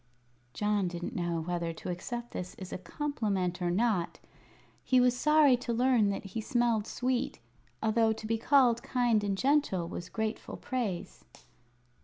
John didn't know whether to accept this as a compliment or not. He was sorry to learn that he smelled sweet, although to be called kind and gentle was grateful praise.